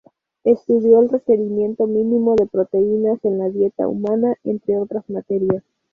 Estudió el requerimiento mínimo de proteínas en la dieta humana, entre otras materias.